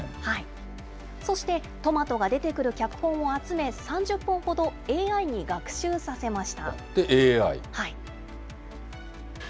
そしてトマトが出てくる脚本を集め、３０本ほどＡＩに学習させました。